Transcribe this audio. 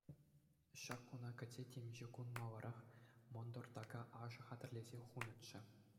Ҫак куна кӗтсе, темиҫе кун маларахах мӑнтӑр така ашӗ хатӗрлесе хунӑччӗ.